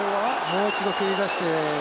もう一度蹴り出して。